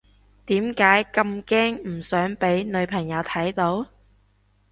點解咁驚唔想俾女朋友睇到？